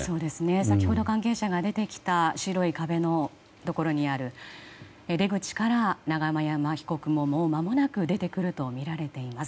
先ほど関係者が出てきた白い壁のところにある出口から永山被告ももうまもなく出てくるとみられています。